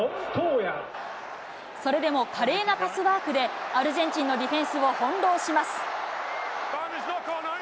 それでも、華麗なパスワークで、アルゼンチンのディフェンスを翻弄します。